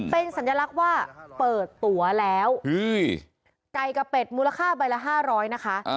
เป็นสัญลักษณ์ว่าเปิดตัวแล้วไก่กับเป็ดมูลค่าใบละ๕๐๐นะคะ